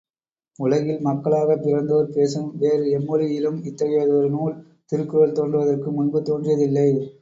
உலகில் மக்களாகப் பிறந்தோர் பேசும் வேறு எம்மொழியிலும் இத்தகையதொரு நூல், திருக்குறள் தோன்றுவதற்கு முன்பு தோன்றியதில்லை.